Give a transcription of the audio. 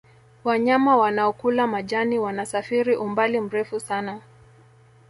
wanyama wanaokula majani wanasafiri umbali mrefu sana